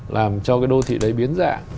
làm cho cái đô thị đấy biến dạng